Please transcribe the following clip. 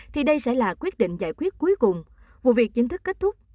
thì đây sẽ là quyết định giải quyết cuối cùng vụ việc chính thức kết thúc